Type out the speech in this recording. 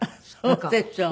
そうでしょうね。